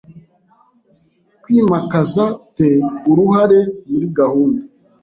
kwimakaza te uruhare muri gahunda